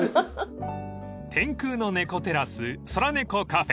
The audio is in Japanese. ［天空の猫テラスソラネコカフェ］